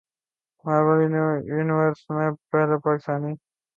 marvel universe میں پہلے پاکستانی اداکار کیا محسوس کرتے ہیں